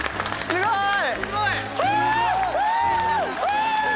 すごい！